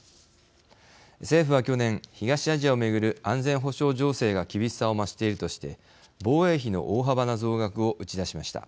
政府は去年東アジアを巡る安全保障情勢が厳しさを増しているとして防衛費の大幅な増額を打ち出しました。